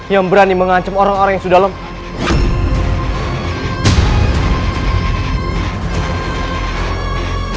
yang berani mengancam orang orang yang sudah lemah